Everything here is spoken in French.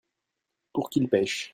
pour qu'ils pêchent.